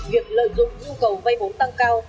việc lợi dụng nhu cầu vay bốn tăng cao